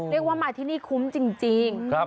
เรียกว่ามาที่นี่คุ้มจริง